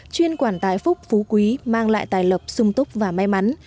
chuyên quản tài phúc phú quý mang lại tài lộc sung túc và may mắn